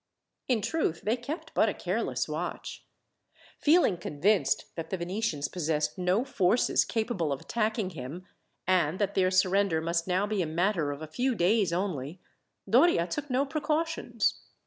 In truth, they kept but a careless watch. Feeling convinced that the Venetians possessed no forces capable of attacking him, and that their surrender must now be a matter of a few days only, Doria took no precautions.